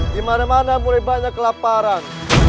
di mana mana mulai banyak kelaparan